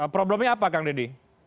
problemnya apa kang deddy